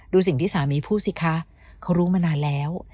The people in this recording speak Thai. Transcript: ดูสิ่งที่สามีพูดสิคะเขารู้มานานแล้ว